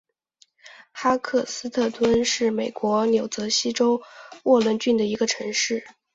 哈克特斯敦是美国纽泽西州沃伦郡的一个城市。